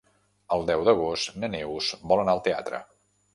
El deu d'agost na Neus vol anar al teatre.